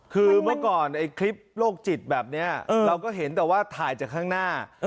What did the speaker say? คือเมื่อก่อนไอ้คลิปโรคจิตแบบนี้เราก็เห็นแต่ว่าถ่ายจากข้างหน้า